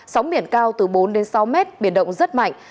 sóng biển cao từ bốn đến sáu mét biển động rất mạnh